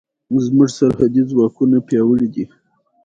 ازادي راډیو د تعلیمات د نجونو لپاره په اړه د سیمینارونو راپورونه ورکړي.